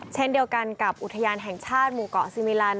เช่นเดียวกันกับอุทยานแห่งชาติหมู่เกาะซีมิลัน